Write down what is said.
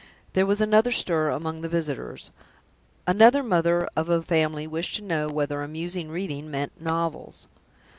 There was another stir among the visitors. Another mother of a family wished to know whether amusing reading meant novels.